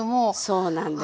そうなんです。